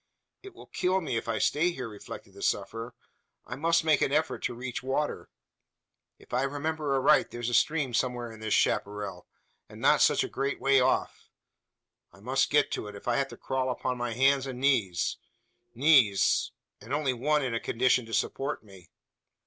"It will kill me, if I stay here?" reflected the sufferer. "I must make an effort to reach water. If I remember aright there's a stream somewhere in this chapparal, and not such a great way off. I must get to it, if I have to crawl upon my hands and knees. Knees! and only one in a condition to support me!